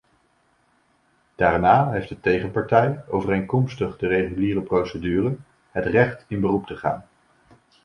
Daarna heeft de tegenpartij, overeenkomstig de reguliere procedure, het recht in beroep te gaan.